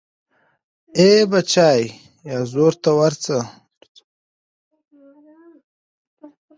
ای بچای، یازور ته روڅه